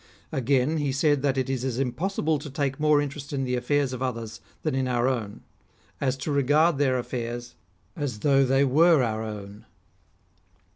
Again, he said that it is as impossible to take more interest in the affairs of others than in our own, as to regard their affairs as 124 REMARKABLE SAYINGS OF though they were our own.